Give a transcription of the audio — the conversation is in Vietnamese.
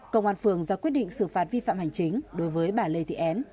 công an phường ra quyết định xử phạt vi phạm hành chính đối với bà lê thị en